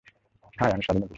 High, আমি শালিনী গুহ।